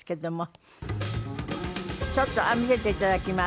ちょっと見せていただきます。